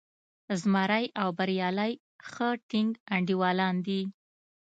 زمری او بریالی ښه ټینګ انډیوالان دي.